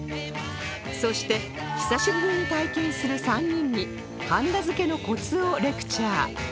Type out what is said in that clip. そして久しぶりに体験する３人にはんだ付けのコツをレクチャー